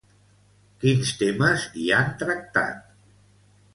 Quins temes hi han tractat?